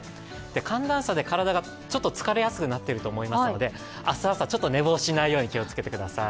寒暖差で体がちょっと疲れやすくなっていると思いますので、明日朝、ちょっと寝坊しないように気をつけてください。